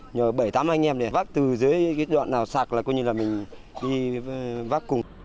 nhờ bảy tám anh em để vác từ dưới cái đoạn nào sạc là mình đi vác cùng